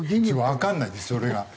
わかんないんですそれが。